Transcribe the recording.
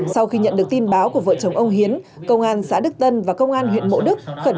sau khi nhận được tin báo của vợ chồng ông hiến công an xã đức tân và công an huyện mộ đức